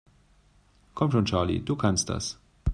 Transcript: Komm schon, Charlie, du kannst das!